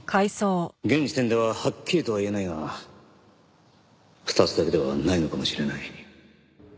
現時点でははっきりとは言えないが２つだけではないのかもしれない。